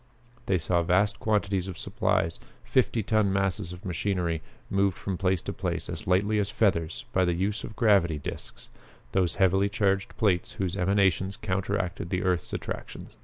They saw vast quantities of supplies, fifty ton masses of machinery, moved from place to place as lightly as feathers by use of the gravity discs, those heavily charged plates whose emanations counteracted the earth's attraction.